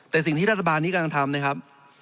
แต่สิ่งที่รัฐบาลนี้กำลังทำนะครับ